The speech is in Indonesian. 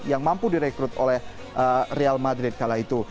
yang mampu direkrut oleh real madrid kala itu